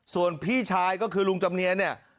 ส่วนพี่ชายก็คือลุงจำเนียนเนี่ย